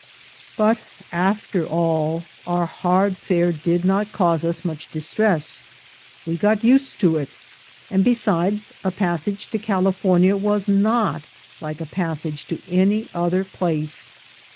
But, after all, our hard fare did not cause us much distress: we got used to it, and besides, a passage to California was not like a passage to any other place.